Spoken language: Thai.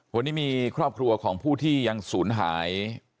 วันนี้มีครอบครัวของผู้ที่ยังศูนย์หาย